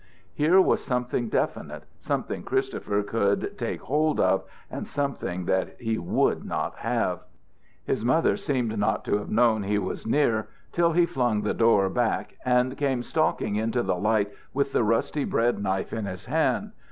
Here was something definite, something Christopher could take hold of, and something that he would not have. His mother seemed not to have known he was near till he flung the door back and came stalking into the light with the rusty bread knife in his hand.